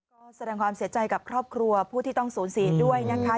ก็แสดงความเสียใจกับครอบครัวผู้ที่ต้องสูญเสียด้วยนะคะ